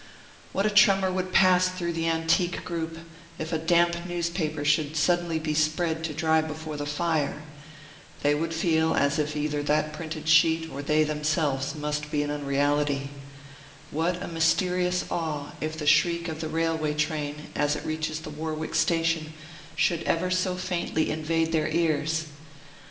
What a tremor would pass through the antique group, if a damp newspaper should suddenly be spread to dry before the fire! They would feel as if either that printed sheet or they themselves must be an unreality. What a mysterious awe, if the shriek of the railway train, as it reaches the Warwick station, should ever so faintly invade their ears!